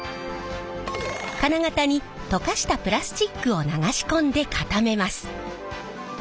金型に溶かしたプラスチックを流し込んで固めます。